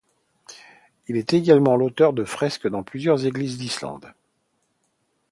Il est également l'auteur de fresques dans plusieurs églises d'Islande.